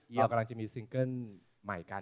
เรากำลังจะมีซิร์คเคลมันใหม่กัน